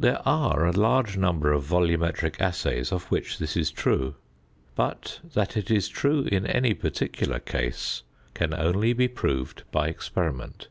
There are a large number of volumetric assays of which this is true, but that it is true in any particular case can only be proved by experiment.